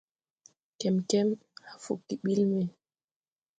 Kemkem hãã fuggi ɓil me.